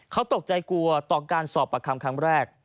เขาตกใจกลัวต่อการสอบประคำครั้งแรก